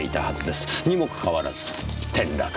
にもかかわらず転落した。